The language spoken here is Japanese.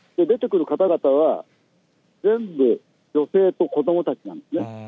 出てくる方々は、全部女性と子どもたちなんですね。